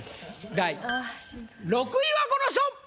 第６位はこの人！